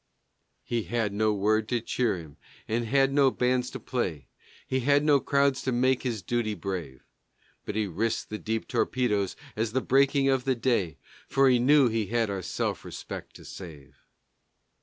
He had no word to cheer him and had no bands to play, He had no crowds to make his duty brave; But he risked the deep torpedoes at the breaking of the day, For he knew he had our self respect to save.